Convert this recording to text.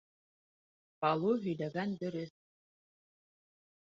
Балу һөйләгән дөрөҫ.